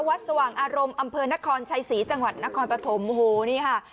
สว่างอารมณ์อำเภอนครชัยศรีจังหวัดนครปฐมโอ้โหนี่ค่ะ